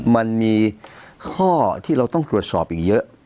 มันมีข้อที่เราต้องตรวจสอบอีกเยอะ